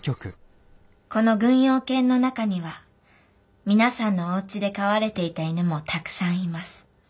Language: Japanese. この軍用犬の中には皆さんのおうちで飼われていた犬もたくさんいます。